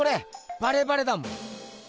バレバレだもん。